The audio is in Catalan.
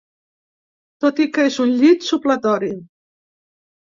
Tot i que es un llit supletori.